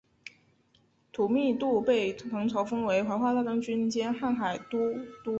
吐迷度被唐朝封为怀化大将军兼瀚海都督。